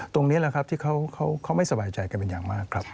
ตรงนี้แหละครับที่เขาไม่สบายใจกันเป็นอย่างมากครับ